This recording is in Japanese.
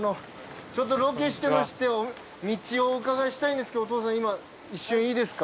ちょっとロケしてまして道をお伺いしたいんですけどお父さん今一瞬いいですか？